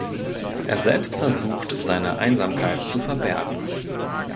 Er selbst versucht seine Einsamkeit zu verbergen.